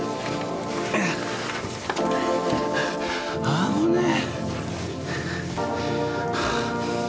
危ねえ！